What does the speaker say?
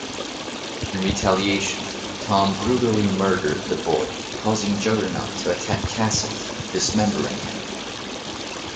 In retaliation Tom brutally murdered the boy, causing Juggernaut to attack Cassidy, dismembering him.